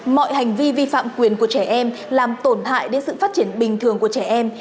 mọi hành vi vi phạm quyền của trẻ em làm tổn hại đến sự phát triển bình thường của trẻ em